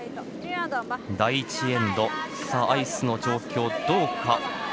第１エンド、アイスの状況どうか。